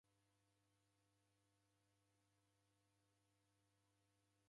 Agha ni mavi gha mburi